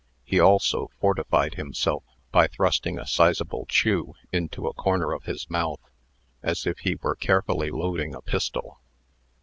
He also fortified himself, by thrusting a sizable chew into a corner of his mouth, as if he were carefully loading a pistol.